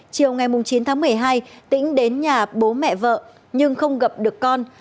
chiều ngày chín tháng một mươi hai tĩnh đến nhà bố mẹ vợ nhưng không gặp được con